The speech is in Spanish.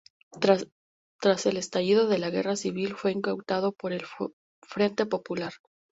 Tras el estallido de la Guerra civil fue incautado por el Frente Popular.